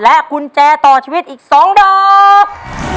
และกุญแจต่อชีวิตอีกสองดอก